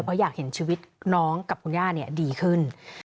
เพราะอยากเห็นชีวิตน้องกับคุณย่าดีขึ้น